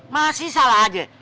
masih salah aja